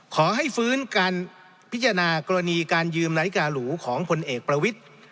ขอให้ฟื้นการพิจารณากรณีการยืมนาฬิกาหรูของพลเอกประวิทธิ์